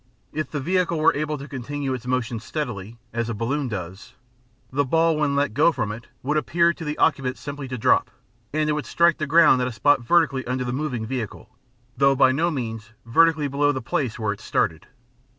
If the vehicle were able to continue its motion steadily, as a balloon does, the ball when let go from it would appear to the occupant simply to drop; and it would strike the ground at a spot vertically under the moving vehicle, though by no means vertically below the place where it started.